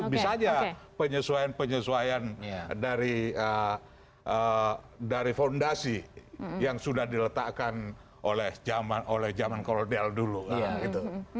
bisa aja penyesuaian penyesuaian dari fondasi yang sudah diletakkan oleh zaman kolonial dulu